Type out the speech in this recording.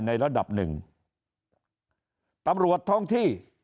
ในระดับหนึ่งตำรวจท้องที่